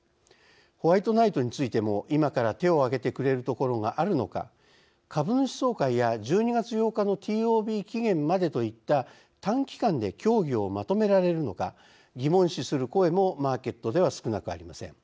ホワイトナイトについても今から手をあげてくれるところがあるのか株主総会や１２月８日のＴＯＢ期限までといった短期間で協議をまとめられるのか疑問視する声もマーケットでは少なくありません。